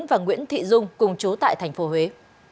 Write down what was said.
và nguyễn thị dung cùng chú tại thành phố huế